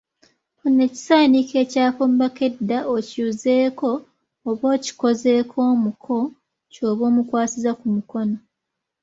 Funa ekisaaniiko ekyafumbako edda, okiyuzeeko oba okikoozeeko omuko ky’oba omukwasisa ku mukono.